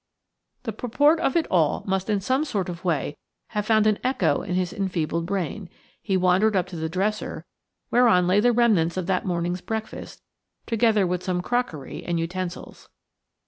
The purport of it all must in some sort of way have found an echo in his enfeebled brain. He wandered up to the dresser whereon lay the remnants of that morning's breakfast, together with some crockery and utensils.